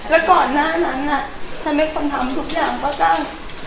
แล้วก่อนหน้านั้นฉันเป็นคนทำทุกอย่างก็ต้อง